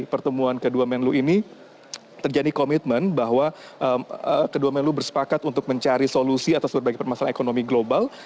pertemuan kedua menlu ini terjadi komitmen bahwa kedua menlu bersepakat untuk mencari solusi atas berbagai permasalahan ekonomi global